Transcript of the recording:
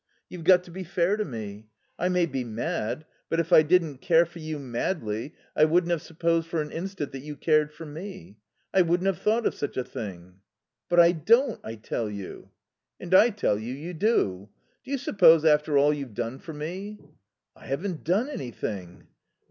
You've got to be fair to me. I may be mad; but if I didn't care for you madly I wouldn't have supposed for an instant that you cared for me. I wouldn't have thought of such a thing." "But I don't, I tell you." "And I tell you, you do. Do you suppose after all you've done for me " "I haven't done anything."